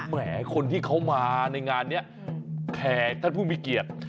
แหมคนที่เขามาในงานนี้แขกท่านผู้มีเกียรติ